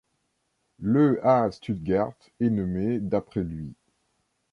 Le à Stuttgart, est nommé d'après lui.